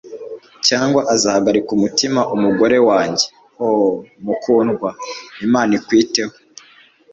cyangwa azahagarika umutima umugore wanjye - oh, mukundwa! - imana ikwiteho